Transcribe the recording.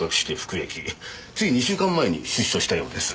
つい２週間前に出所したようです。